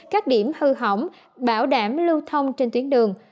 các điểm hư hỏng bảo đảm lưu thông trên tuyến đường